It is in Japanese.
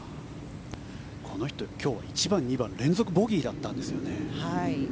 この人、今日は１番、２番連続ボギーだったんですよね。